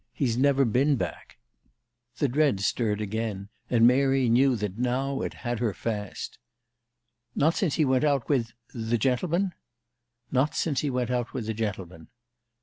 He's never been back." The dread stirred again, and Mary knew that now it had her fast. "Not since he went out with the gentleman?" "Not since he went out with the gentleman."